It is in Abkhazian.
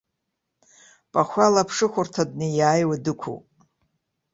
Пахәала аԥшыхәырҭа днеи-ааиуа дықәуп.